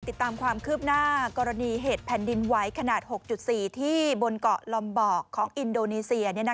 ติดตามความคืบหน้ากรณีเหตุแผ่นดินไหวขนาด๖๔ที่บนเกาะลอมบอกของอินโดนีเซีย